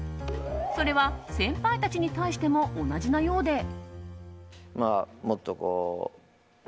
それは、先輩たちに対しても同じなようで。